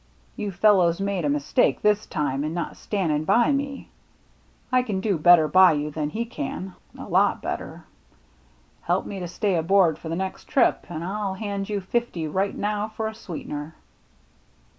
You fellows made a mistake this time in not standin' by me. I can do better by you than he can — a lot better. Help me to stay aboard for the next trip, an' I'll hand you fifty right now for a sweetener."